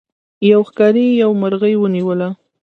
یو ښکاري یو مرغۍ ونیوله.